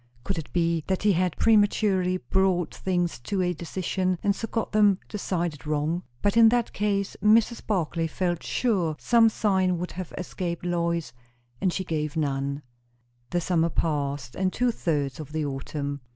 Could it be that he had prematurely brought things to a decision, and so got them decided wrong? But in that case Mrs. Barclay felt sure some sign would have escaped Lois; and she gave none. The summer passed, and two thirds of the autumn.